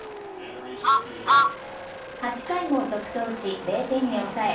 ８回も続投し、０点に抑え